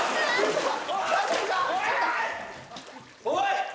おい！